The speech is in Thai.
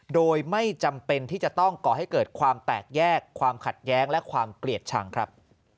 โดยไม่จำเป็นที่จะต้องก่อให้เกิดความแตกแยกความขัดแย้งและความเกลียดชังครับ